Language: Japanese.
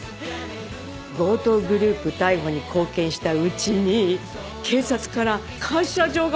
強盗グループ逮捕に貢献したうちに警察から感謝状が贈られるって！